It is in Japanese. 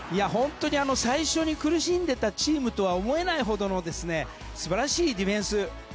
本当に最初に苦しんでいたチームとは思えないほどの素晴らしいディフェンス